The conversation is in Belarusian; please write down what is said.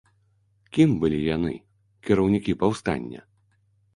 Кім былі яны, кіраўнікі паўстання?